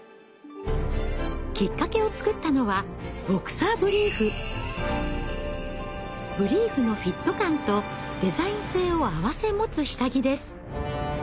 きっかけを作ったのはブリーフのフィット感とデザイン性をあわせ持つ下着です。